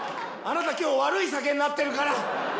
あなた今日悪い酒になってるから！